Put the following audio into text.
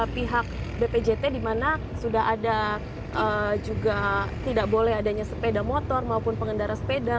pihak bpjt di mana sudah ada juga tidak boleh adanya sepeda motor maupun pengendara sepeda